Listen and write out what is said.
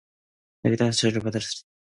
네가 땅에서 저주를 받으리니